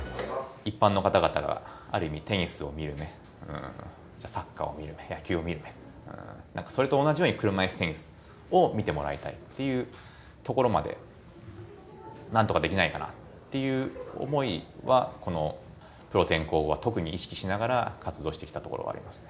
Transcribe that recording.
一般の方々が、ある意味、テニスを見る目、サッカーを見る目、野球を見る目、それと同じように車いすテニスを見てもらいたいっていうところまで、なんとかできないかなという思いは、このプロ転向後は特に意識しながら活動してきたところはありますね。